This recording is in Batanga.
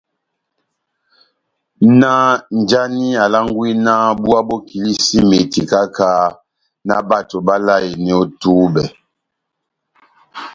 náh njáni alángwí náh búwá bó kilísímeti káha-káha, náh bato báláyeni ó túbɛ?